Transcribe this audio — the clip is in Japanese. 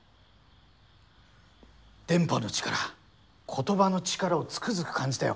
電波の力言葉の力をつくづく感じたよ。